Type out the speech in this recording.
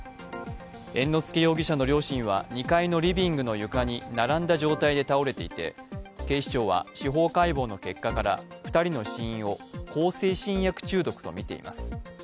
猿之助容疑者の両親は２階のリビングの床に並んだ状態で倒れていて警視庁は司法解剖の結果から２人の死因を向精神薬中毒とみています。